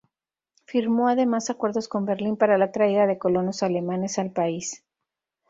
Firmó además acuerdos con Berlín para la traída de colonos alemanes al país.